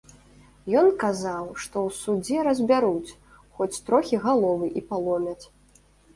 Ён казаў, што ў судзе разбяруць, хоць трохі галовы і паломяць.